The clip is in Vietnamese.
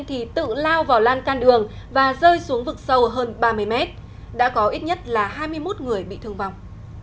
thì tự lao vào lan can đường và rơi xuống vực sâu hơn ba mươi mét đã có ít nhất là hai mươi một người bị thương vong